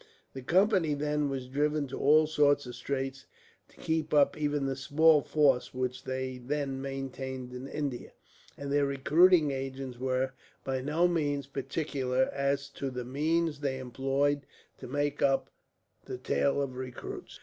The Company, then, were driven to all sorts of straits to keep up even the small force which they then maintained in India, and their recruiting agents were, by no means, particular as to the means they employed to make up the tale of recruits.